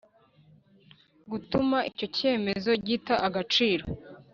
gutuma icyo cyemezo gita agaciro